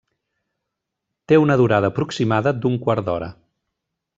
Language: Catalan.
Té una durada aproximada d’un quart d’hora.